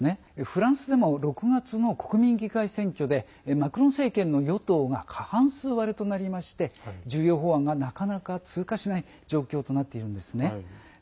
フランスでも６月の国民議会選挙でマクロン政権の与党が過半数割れとなりまして今、重要法案がなかなか通過しない状況となっているんですね。